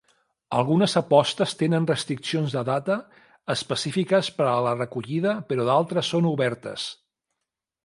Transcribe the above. Algunes apostes tenen restriccions de data específiques per a la recollida, però d'altres són obertes.